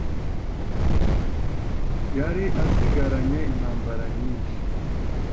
Yari asigaranye intambara nyinshi